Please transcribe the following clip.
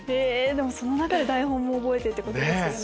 その中で台本も覚えてってことですよね。